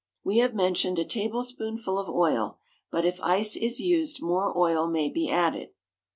We have mentioned a tablespoonful of oil, but if ice is used more oil may be added.